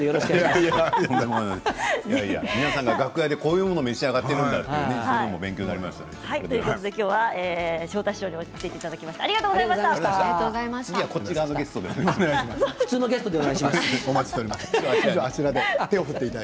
皆さんが楽屋でこういうものを召し上がっているんだというのも勉強になりました。